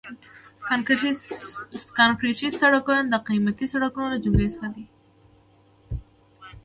کانکریټي سړکونه د قیمتي سړکونو له جملې څخه دي